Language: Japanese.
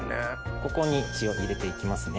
ここに塩入れていきますね。